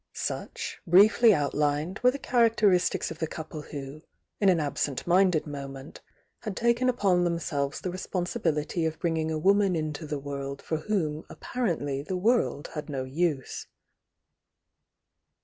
Such, briefly outlined, were the characteristics of the couple who, in an absent minded moment, had taken upon themselves the responsibility of bring ing a woman into the world for whom apparently the world had no use.